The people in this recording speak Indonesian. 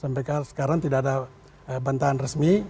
sampai sekarang tidak ada bantahan resmi